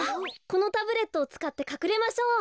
このタブレットをつかってかくれましょう。